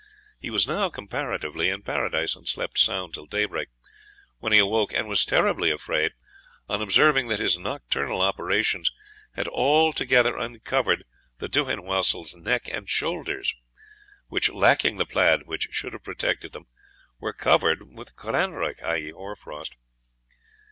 He was now comparatively in paradise, and slept sound till daybreak, when he awoke, and was terribly afraid on observing that his nocturnal operations had altogether uncovered the dhuiniewassell's neck and shoulders, which, lacking the plaid which should have protected them, were covered with cranreuch (i.e. hoar frost).